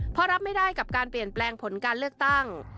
เพราะรับไม่ได้กับการเปลี่ยนแปลงผลการเลือกตั้ง